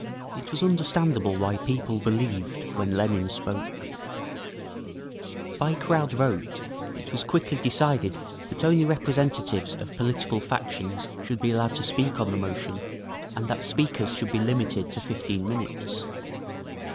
It was understandable why people believed when Lenin spoke…. By crowd vote it was quickly decided that only representatives of political factions should be allowed to speak on the motion and that speakers should be limited to fifteen minutes.